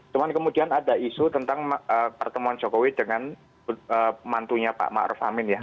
cuman kemudian ada isu tentang pertemuan jokowi dengan mantunya pak ma'ruf amin ya